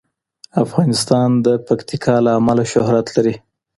افغانستان د پکتیکا له امله شهرت لري.